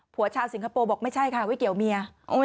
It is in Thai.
ชาวสิงคโปร์บอกไม่ใช่ค่ะไม่เกี่ยวเมีย